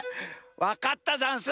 わかったざんす。